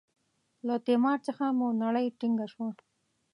له تیمار څخه مو نړۍ تنګه شوه.